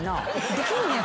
できんねや。